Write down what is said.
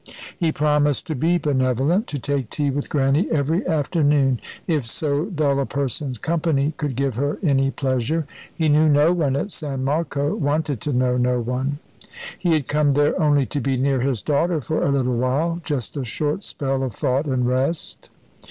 He promised to be benevolent, to take tea with Grannie every afternoon, if so dull a person's company could give her any pleasure. He knew no one at San Marco, wanted to know no one. He had come there only to be near his daughter for a little while, just a short spell of thought and rest.